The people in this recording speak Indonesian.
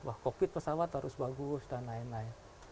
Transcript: wah kokpit pesawat harus bagus dan lain lain